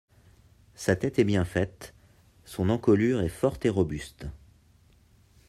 Sa tête est bien faite, son encolure est forte et robuste.